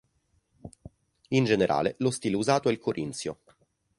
In generale lo stile usato è il corinzio.